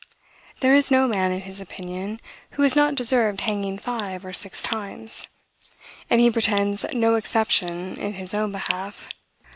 There is no man, in his opinion, who has not deserved hanging five or six times; and he pretends no exception in his own behalf.